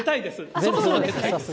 そろそろ出たいです。